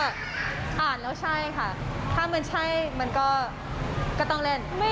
เดี๋ยวก็ได้ชมกันเร็วนี้